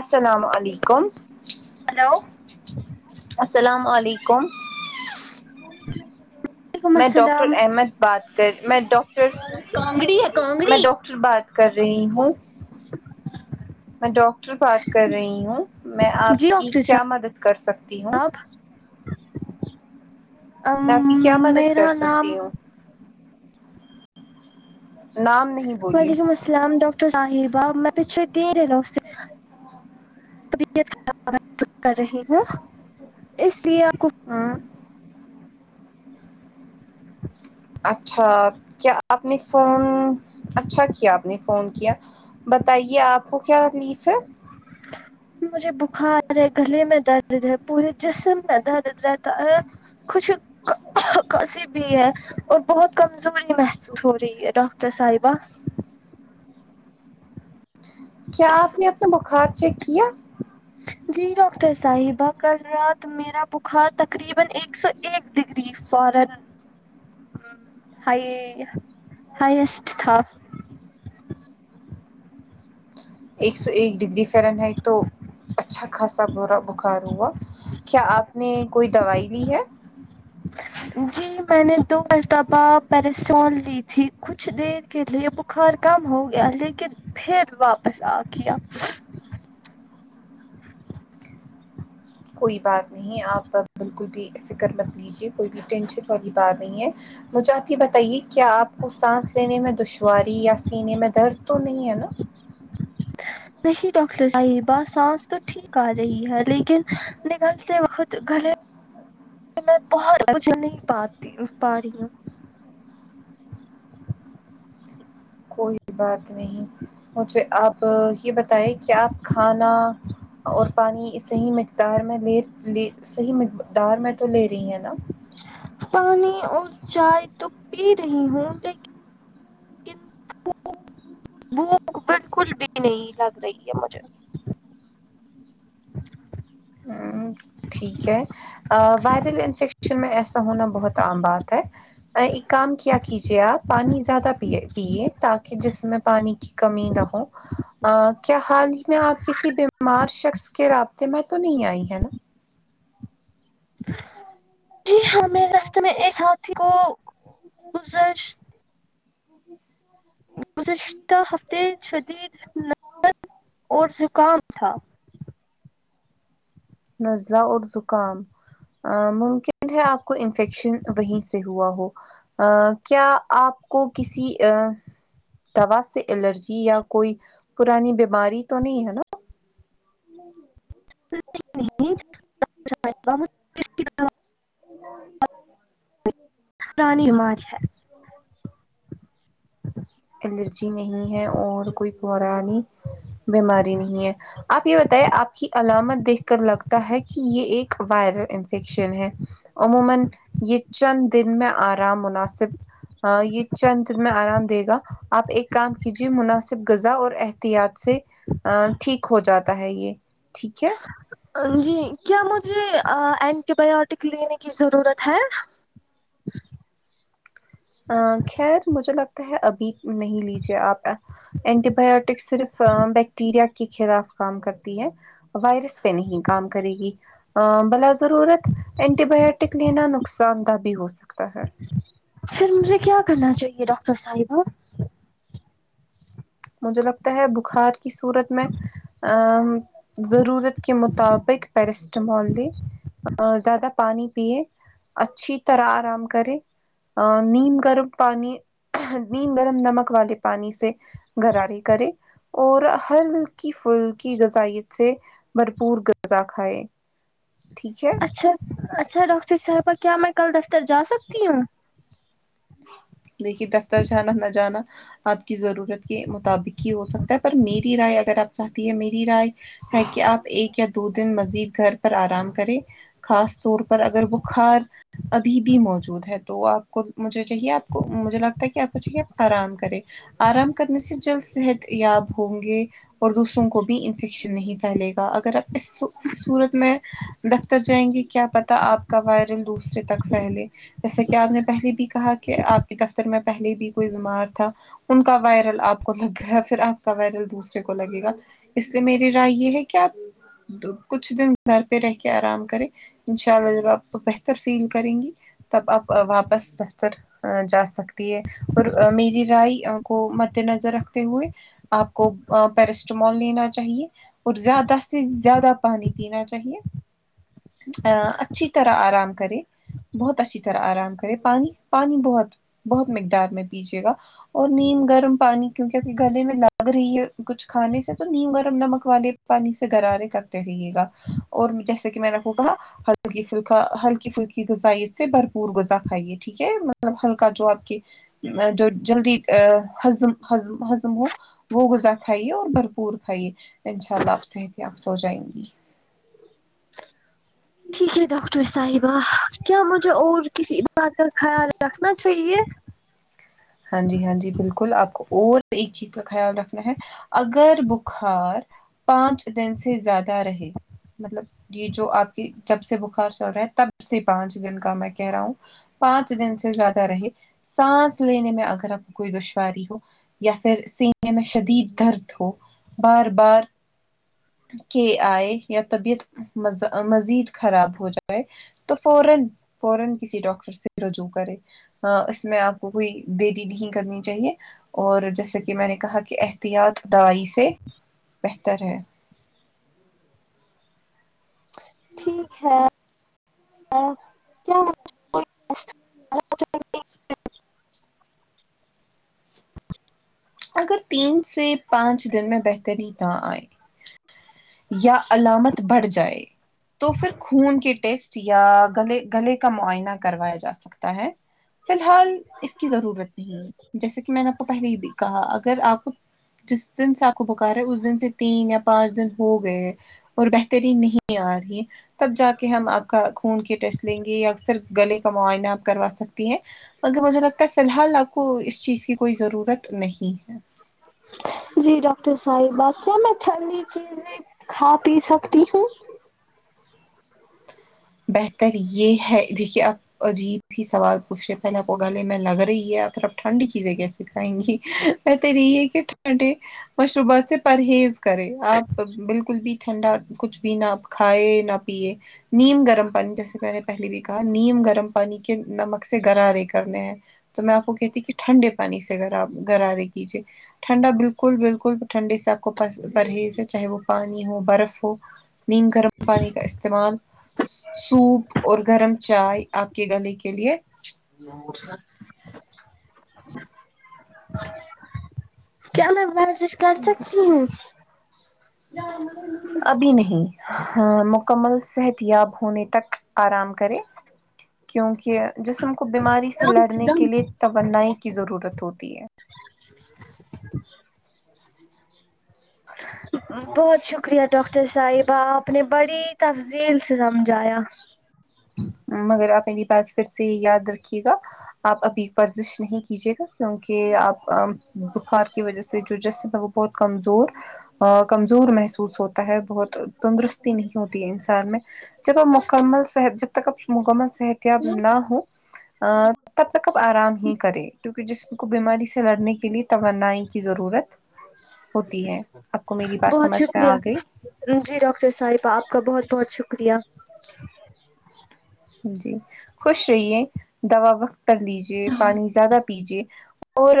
السلام علیکم ہلو السلام علیکم وعلیکم میں ڈاکٹر السلام احمد بات کر میں ڈاکٹر کانگڑی ہے میں کانگڑی ڈاک ٹر بات کر رہی ہوں میں ڈاکٹر بات کر رہی ہوں میں جی آپ کی کیا مدد کر سکتی ہوں میں آپ کی کیا اممم مدد کر میرا سکتی نام ہوں نام نہیں بولیے اسلام ڈاکٹر صاحبہ میں پچھے تین رہ رہاوں سے طبیعت خراب کر رہی [unintelligible] ہوں اس لیے آپ کو ہاں اچھا کیا آپ نے فون اچھا کیا آپ نے فون کیا بتائیے آپ کو کیا تکلیف ہے مجھے بخار ہے گلے میں درد ہے پورے جسم میں درد رہتا ہے خوش کھاسی بھی ہے اور بہت کمزوری محسوس ہو رہی ہے ڈاکٹر صاحبہ کیا آپ نے اپنا بخار چیک کیا جی ڈاکٹر صاحبہ کل رات میرا بخار تقریبا ایک سو ایک ڈگری فارن اچ ہائیسٹ تھا ایک سو ایک ڈگری فرن ہائٹ تو اچھا خاصا بورا بخار ہوا کیا آپ نے کوئی دوائی لی ہے جی میں نے دو مرتبہ پیرسٹون لی تھی کچھ دیر کے لیے بخار کم ہو گیا لیکن پھر واپس آ گیا کوئی بات نہیں آپ بالکل بھی فکر مت یہ کوئی بھی ٹینشن والی بات نہیں ہے مجھے آپ یہ بتائیے کیا آپ کو سانس لینے میں دشواری یا سینے میں درد تو نہیں ہے نا نہیں ڈاکٹر صاحبہ سانس تو ٹھیک آ رہی ہے لیکن نگلتے وقت گلے ہاں [inaudible] میں بہت مجھے نہیں پاتی پا رہی ہوں کوئی بات نہیں مجھے آپ یہ بتائے کہ آپ کھانا اور پانی صحیح مقدار میں لے لے صحیح مقدار میں تو لے رہی ہے نا پانی اور چائے تو پی رہی ہوں لی کن بک بھوک بالکل بھی نہیں لگ رہی ہے مجھے ہمم ٹھیک ہے وائرل انفیکشن میں ایسا ہونا بہت عام بات ہے ایک کام کیا کیجیے آپ پانی زیادہ پیے پیے تاکہ جس میں پانی کی کمی نہ ہو کیا حال ہی میں آپ کسی بیمار شخص کے رابطے میں تو نہیں آئی ہے نا جی ہاں میرے راستے میں ایک [inaudible] ساتھی کو [unintelligible] [unintelligible] گزشتہ ہفتے شدید [unintelligible] نظر اور زکام تھا نزلہ اور زکام ممکن ہے آپ کو انفیکشن وہیں سے ہوا ہو ا کیا آپ کو کسی ا دوا سے الرجی یا کوئی پرانی بیماری تو نہیں ہے نا [unintelligible] طرح [unintelligible] پرانی بیماری ہے الرجی نہیں ہے اور کوئی پرانی بیماری نہیں ہے آپ یہ بتے آپ کی علامت دیکھ کر لگتا ہے کہ یہ ایک وائرل انفیکشن ہے عموما یہ چند دن میں آرام مناسب یہ چند دن میں آرام دے گا آپ ایک کام کیجیے مناسب غذا اور احتیاط سے ا ٹھیک ہو جات تا ہے یہ ٹھیک ہے جی کیا مجھے اینٹی بایوٹک لینے کی ضرورت ہے ا خیر مجھے لگتا ہے ابھی نہیں لیجیے آپ اینٹی بایوٹک صرف بیکٹیریا کے خلاف کام کرتی ہے وائرس پہ نہیں کام کرے گی بلا ضرورت اینٹی بایوٹک لینا نقصان دہ بھی ہو سکتا ہے پھر مجھے کیا کرنا چاہیے ڈاکٹر صاحبہ مجھے لگتا ہے بخار کی صورت میں ضرورت کے مطابق پیرسٹمال لیں ا زیادہ پانی پیے اچھی طرح آرام کرے ا نیم گرم پانی نیم گرم نمک والے پانی سے گرارےکریں اور ہلکی فلکی غذائیت سے بھرپور غذا کھائے ٹھیک ہے اچھا اچھا ڈاکٹر صاحبہ کیا میں کل دفتر جا سکتی ہوں دیکھیے دفتر جانا نہ جانا آپ کی ضرورت کے مطابق ہی ہو سکتا ہے پر میری رائے اگر آپ چاہتی ہے میری رائے ہے کہ آپ ایک یا دو دن مزید گھر پر آرام کریں خاص طور پر اگر بخار ابھی بھی موجود ہے تو آپ کو مجھے چاہیے آپ کو مجھے لگتا ہے کہ آپ کو چاہیے اپ آرام کرے آرام کرنے سے جلد صحت یاب ہوں گے اور دوسروں کو بھی انفیکشن نہیں پھیلے گا اگر آپ اس صورت میں دفتر جائیں گے کیا پتا آپ کا وائرل دوسرے تک پھیلے جیسا کہ آپ نے پہلے بھی کہا کہ آپ کے دفتر میں پہلے بھی کوئی بیمار تھا ان کا وائرل آپ کو لگ گا پھر آپ کا وائرل دوسرے کو لگے گا اس لیے میری رائے یہ ہے کہ آپ کچھ دن گھر پہ رہ کے آرام کرے انشاء اللہ جب آپ بہتر فیل کریں گی تب آپ واپس جا سکتی ہے اور میری رائے کو مد نظر رکھتے ہوئے آپ کو پیرسٹامال لینا چاہیے اور زیادہ سے زیادہ پانی پینا چاہیے ا اچھی طرح آرام کرے بہت اچھی طرح آرام کرے پانی پانی بہت بہت مقدار میں پیجیے گا اور نیم گرم پانی کیونکہ ا گلے میں لگ رہی ہے کچھ کھانے سے تو نیم گرم نمک والے پانی سے گرارے کرتے رہیے گا اور جیسے کہ میں نے آ کو کہا ہلکی پھلکا ہلکی پھلکی غذائی اس سے بھرپور غذا کھائیے ٹھیک ہے مطلب ہلکا جو آپ کی جو جلدی ا ہضم ہضم ہضم ہو وہ غذا کھائیے اور بھرپور کھائیے انشاء اللہ آپ صحت یافت ہو جائیں گی ٹھیک ہے ڈاکٹر صاحبہ کیا مجھے اور کسی بات کا خیال رکھنا چاہیے ہاں جی ہاں جی بالکل آپ کو اور ایک چیز کا خیال رکھنا ہے اگر بخار پانچ دن سے زیادہ رہے مطلب یہ جو آپ کی جب سے بخار چل رہا ہیں تب سے پانچ دن کا میں کہہ رہا ہوں پانچ دن سے زیادہ رہے سانس لینے میں اگر آپ کو کوئی دشواری ہو یا پھر سینے میں شدید درد ہو بار بار کہ آئے یا طبیعت مزید خراب ہو جا تو فورا فورا کسی ڈاکٹر سے رجوع کرے اس میں آپ کو کوئی دیری نہیں کرنی چاہیے اور جیسے کہ میں نے کہا کہ احتیاط دائی سے بہتر ہے ٹھیک ہے مجھے کوئی ٹیسٹ- اگر تین سے پانچ دن میں بہتر ہی نہ آئے یا علامت بڑھ جائے تو پھر خون کے ٹیسٹ یا گلے گلے کا معائنہ کروایا جا سک تا ہے فی الحال اس کی ضرورت نہیں جیسے کہ میں نے آپ کو پہلے ہی بھی کہا اگر آپ جس دن ساک و بکار ہے اس دن سے تین یا پانچ دن ہو گئے اور بہترین نہیں آ رہی تب جا کے ہم آپ کا خون کے ٹیسٹ لیں گے یا اکثر گلے کا معائنہ آپ کروا سکتی ہیں اگر مجھے لگتا ہے فی الحال آپ کو اس چیز کی کوئی ضرورت نہیں ہے جی ڈاکٹر صاحبہ کیا میں ٹھنڈی چیزیں کھا پی سکتی ہوں بہتر یہ ہے دیکھیے آپ عجیب ہی سوال پوچھ رہے پہلے اپ گلے میں لگ رہی ہے پھر آپ ٹھنڈی چیزیں کیسے کھائیں گی بہتر یہی ہے کہے مشروبات سے پرہیز کرے آپ بالکل بھی ٹھنڈا کچھ بھی نہ آپ کھائے نہ پیے نیم گ رم پانی جیسے میں نے پہلی بھی کہا نیم گرم پانی کے نمک سے گرارے کرنے ہیں تو میں آپ کو کہتی کہ ٹھنڈے پانی سے گرا گرارے کیجے ٹھنڈا بالکل بالکل ٹھنڈے سے آپ کو پرہیز چاہے وہ پانی ہو برف ہو نیم گرم پانی کا استعمال سوپ اور گرم چائے آپ کے گلے کے لیے کیا میں ورزش کر سکتی ہوں ابھی نہیں ہاں مکمل صحت یاب ہونے تک آرام کرے کیونکہ جسم کو بیماری سے لڑنے کے لیے توانائی کی ضرورت ہوتی ہے بہت شکریہ ڈاکٹر صاحبہ آپ نے بڑی تفذیل سے سمجھایا مگر آپ میری بات پھر سے یاد رکھیے گا آپ ابھی ورزش نہیں کیجیے گا کیونکہ آپ اب بخار کی وجہ سے جو جسم ہے وہ بہت کمزور ا کمزور محسوس ہوتا ہے بہت تندرستی نہیں ہوتی ہے انسان میں جب آپ مکمل صحت جب تک آپ مکمل صحتیاب نہ ہوں ا تب تک آرام ہی کرے کیونکہ جسم کو بیماری سے لڑنے کے لیے توانائی کی ضرورت ہوتی ہے آپ کو میری بات بہت سمجھ میں شکریہ آ گئی جی ڈاکٹر صاحبہ آپ کا بہت بہت شکریہ جی خوش رہیے دوا وقت پر لیجے پانی زیادہ پیجیے اور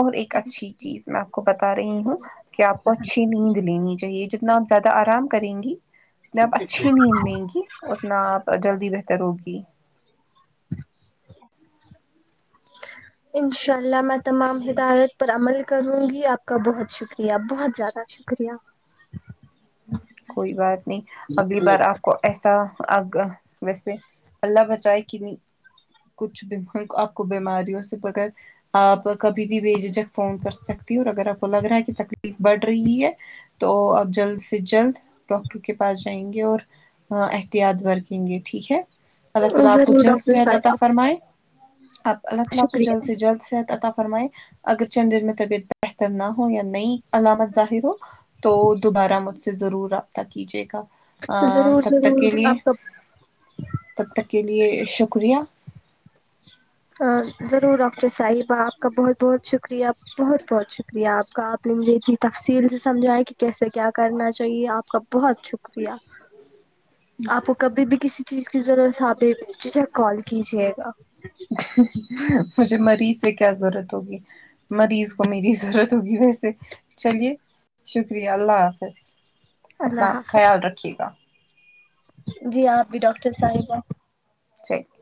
اور ایک اچھی چیز میں آپ کو بتا رہی ہوں کہ آپ کو اچھی نیند لینی چاہیے جتنا آپ زیادہ آرام کریں گی اپ اچھی نیند لیں گی اتنا آپ جلدی بہتر ہوگی ان شاء اللہ میں تمام ہدایت پر عمل کروں گی آپ کا بہت شکریہ بہت زیادہ ش کریہ کوئی بات نہیں اگلی بار آپ کو ایسا آگ ویسے اللہ بچائے کہ نہیں کچھ بھی آپ کو بیماریوں سے بغیر آپ کبھی بھی بجھجھک فون کر سکتی ہو اور اگر آپ کو لگ رہا ہے کہ تکلیف بڑھ رہی ہے تو اب جلد سے جلد ڈاکٹر کے پاس جائیں گے اور احتیاط برتیں گے ٹھیک ہے اللہ تعالی آپ کو ضرور جلد ڈاکٹر صحت عطا صاحبہ فرمائے آپ اللہ تمکو کو جلد شکریہ سے جلد سے عطا فرمائے اگر چند دن میں طبیعت بہتر نہ ہو یا نئی علامت ظاہر ہو تو دوبارہ مجھ سے ضرور راب طہ کیجیے گا ضرور تب تک کے ضرور لیے آپ کا تب تک کے لیے شکریہ ضرور ڈاکٹر صاحبہ آپ کا بہت بہت شکریہ بہت بہت شکریہ آپ کا آپ نے مجھے اتنی تفصیل سے سمجھایا کہ کیسے کیا کرنا چاہیے آپ کا بہت شکریہ آپ کو کبھی بھی کسی چیز کی ضرورت آپ بیججھک کال کیجیے گا مجھے مریض سے کیا ضرورت ہوگی مریض کو میری ضرورت ہوگی ویسے چلیے شکریہ اللہ حافظ اپنا اللہ خیال حافظ رکھیے گا جی آپ بھی ڈاکٹر صاحبہ [unintelligible]